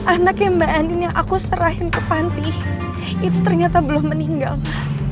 anaknya mbak anin yang aku serahin ke panti itu ternyata belum meninggal ma